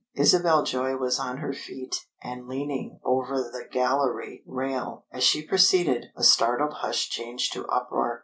Isabel Joy was on her feet and leaning over the gallery rail. As she proceeded, a startled hush changed to uproar.